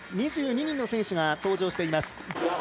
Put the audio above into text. ２２人の選手が登場しています。